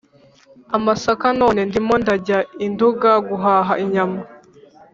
amasaka, none ndimo ndajya i Nduga guhaha inyama.”